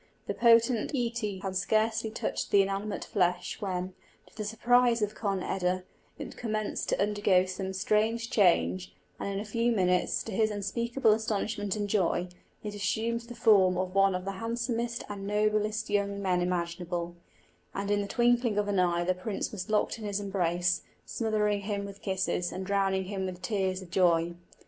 The potent íce had scarcely touched the inanimate flesh, when, to the surprise of Conn eda, it commenced to undergo some strange change, and in a few minutes, to his unspeakable astonishment and joy, it assumed the form of one of the handsomest and noblest young men imaginable, and in the twinkling of an eye the prince was locked in his embrace, smothering him with kisses, and drowning him with tears of joy.